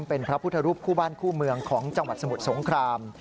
เป็นพระพุทธรูปคู่บ้านคู่เมืองของจังหวัดสมุทรสงคราม